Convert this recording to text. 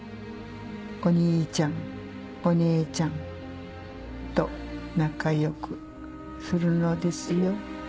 お兄ちゃんお姉ちゃんと仲良くするのですよ。